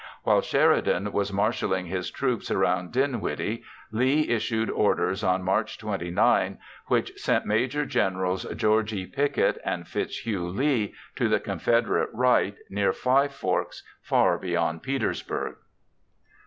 While Sheridan was marshaling his troops around Dinwiddie, Lee issued orders on March 29 which sent Maj. Gens. George E. Pickett and Fitzhugh Lee to the Confederate right near Five Forks, far beyond Petersburg.